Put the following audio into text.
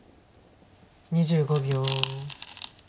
２５秒。